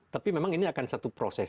tapi memang ini akan satu proses